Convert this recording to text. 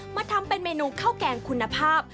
มาทำเป็นเมนูข้าวแกงคุณภาพ